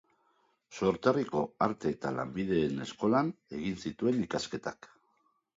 Sorterriko Arte eta Lanbideen Eskolan egin zituen ikasketak.